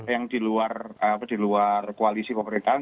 yang diluar koalisi pemerintahan